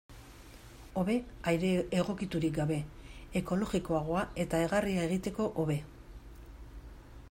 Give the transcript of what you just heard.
Hobe aire egokiturik gabe, ekologikoago eta egarria egiteko hobe.